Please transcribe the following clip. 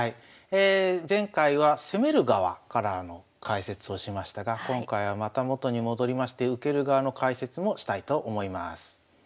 前回は攻める側からの解説をしましたが今回はまた元に戻りまして受ける側の解説もしたいと思います。